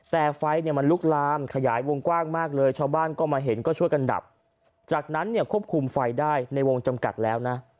แต่ไฟเนี่ยมันลุกลามขยายวงกว้างมากเลยชาวบ้านก็มาเห็นก็ช่วยกันดับจากนั้นเนี่ยควบคุมไฟได้ในวงจำกัดแล้วนะ